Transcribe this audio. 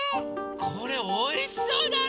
これおいしそうだね！